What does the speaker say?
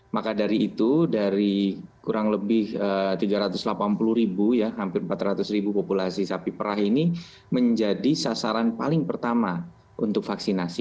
maka dari itu dari kurang lebih tiga ratus delapan puluh ribu ya hampir empat ratus ribu populasi sapi perah ini menjadi sasaran paling pertama untuk vaksinasi